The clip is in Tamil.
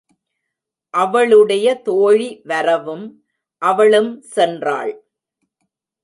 அவளுடைய தோழி வரவும், அவளும் சென்றாள்.